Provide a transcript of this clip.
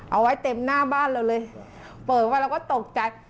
เอาไว้เต็มหน้าบ้านเราเลยเปิดมาเราก็ตกใจ